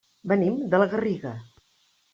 Venim de la Garriga.